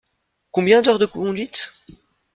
Combien d’heures de conduite ?